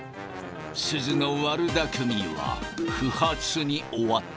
すずの悪だくみは不発に終わった。